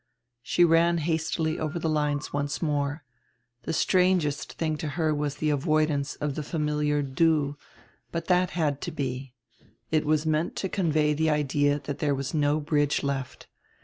She ran hastily over tire lines once more. The strangest tiring to her was tire avoidance of die familiar "Du," but that had to be. It was meant to convey tire idea that there was no bridge left.